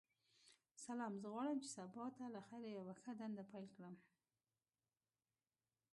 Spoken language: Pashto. سلام ،زه غواړم چی سبا ته لخیر یوه ښه دنده پیل کړم.